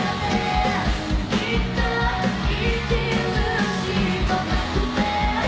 「きっと生きるしかなくて」